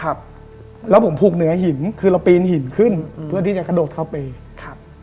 ครับแล้วผมผูกเหนือหินคือเราปีนหินขึ้นอืมเพื่อที่จะกระโดดเข้าไปครับ